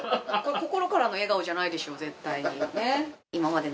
心からの笑顔じゃないでしょう、絶対に。